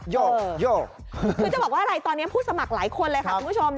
โยกโยกคือจะบอกว่าอะไรตอนนี้ผู้สมัครหลายคนเลยค่ะคุณผู้ชม